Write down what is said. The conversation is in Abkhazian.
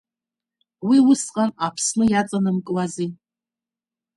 Уи усҟан Аԥсны иаҵанамкуазеи.